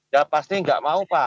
ya pasti nggak mau pak